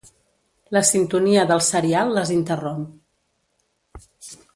La sintonia del serial les interromp.